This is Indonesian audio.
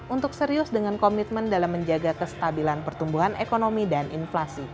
untuk serius dengan komitmen dalam menjaga kestabilan pertumbuhan ekonomi dan inflasi